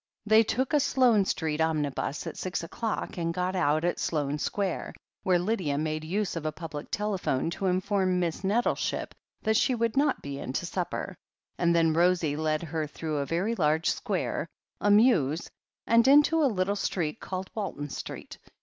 They took a Sloane Street omnibus at six o'clock, and got out at Sloane Square, where Lydia made use of a public telephone to inform Miss Nettleship that she would not be in to supper, and then Rosie led her through a very large square, a mews, and into a little street called Walton Street.